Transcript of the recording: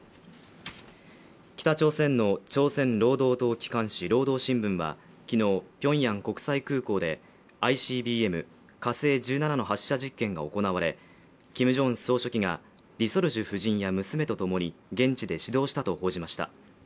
北朝鮮の朝鮮労働党機関紙「労働新聞」はきのうピョンヤン国際空港でＩＣＢＭ火星１７の発射実験が行われキム・ジョンウン総書記がリ・ソルジュ夫人や娘とともに現地で指導したと報じました